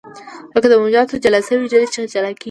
لکه د موجوداتو جلا شوې ډلې چې جلا کېږي.